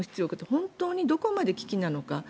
本当にどこまで危機なのか。